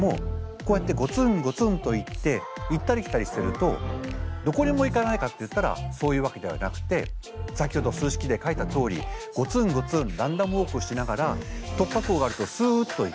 こうやってゴツンゴツンといって行ったり来たりしてるとどこにも行かないかっていったらそういうわけではなくて先ほど数式で書いたとおりゴツンゴツンランダムウォークしながら突破口があるとすっと行く。